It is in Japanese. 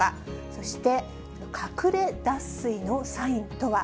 そして、隠れ脱水のサインとは。